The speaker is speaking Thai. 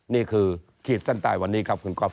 นี่คือขีดสั้นตายวันนี้ครับคุณกรอฟ